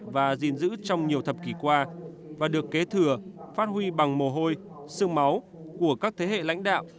và gìn giữ trong nhiều thập kỷ qua và được kế thừa phát huy bằng mồ hôi sương máu của các thế hệ lãnh đạo